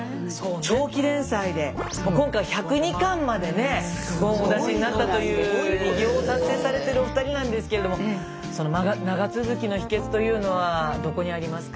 長期連載で今回は１０２巻までねご本お出しになったという偉業を達成されてるお二人なんですけれどもその漫画長続きの秘けつというのはどこにありますか？